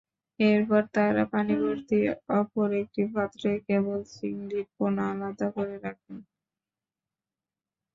এরপর তাঁরা পানিভর্তি অপর একটি পাত্রে কেবল চিংড়ির পোনা আলাদা করে রাখেন।